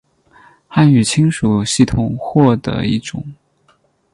汉语亲属系统或的一种。